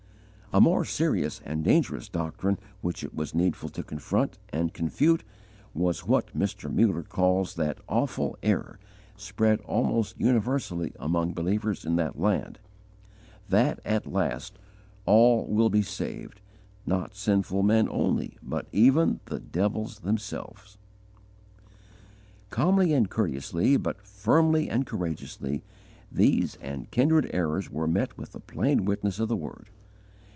A more serious and dangerous doctrine which it was needful to confront and confute was what Mr. Muller calls that "awful error," spread almost universally among believers in that land, that at last "all will be saved," not sinful men only, but "even the devils themselves." Calmly and courteously, but firmly and courageously, these and kindred errors were met with the plain witness of the Word.